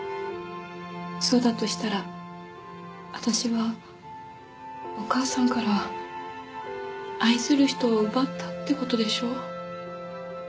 そうだとしたら私はお母さんから愛する人を奪ったって事でしょ？